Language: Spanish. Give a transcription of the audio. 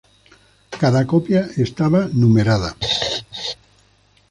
Cada copia estaba numerada.